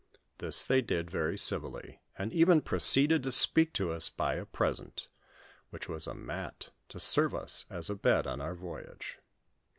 This they did very civilly, and even proceeded to speak to us by a present, which was a mat to serve us as a bed on our voyage.